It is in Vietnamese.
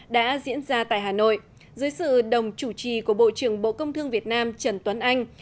đã diễn ra tại hà nội dưới sự đồng chủ trì của bộ trưởng bộ công thương việt nam trần tuấn anh